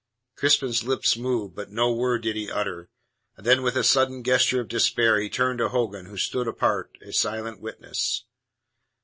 Crispin's lips moved, but no word did he utter. Then with a sudden gesture of despair he turned to Hogan, who stood apart, a silent witness.